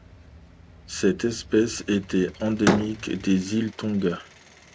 Cette espèce était endémique des îles Tonga.